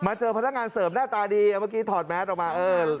มาเจอพนักงานเสิร์ฟแน่ตาดีเอาพี่ถอดแมทให้มา